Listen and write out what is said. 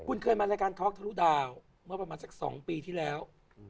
คุณเคยมารายการท็อกทะลุดาวเมื่อประมาณสัก๒ปีที่แล้ว